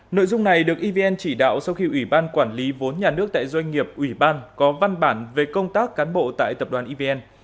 nội dung này được evn chỉ đạo sau khi ủy ban quản lý vốn nhà nước tại doanh nghiệp ủy ban có văn bản về công tác cán bộ tại tập đoàn evn